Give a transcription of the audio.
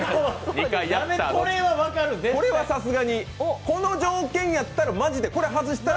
これはさすがに、この条件やったらマジでこれ外したら。